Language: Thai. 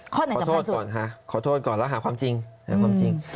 ข้อหน่อยสำคัญสุดขอโทษก่อนค่ะขอโทษก่อนแล้วหาความจริง